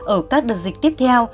ở các đợt dịch tiếp theo